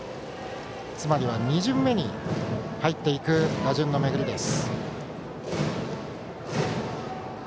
つまりは２巡目に入っていく打順のめぐりです。